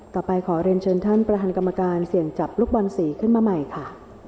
ขอเรียนเชิญท่านประธานกรรมการเสี่ยงจับลูกบอลสีขึ้นมาใหม่ค่ะ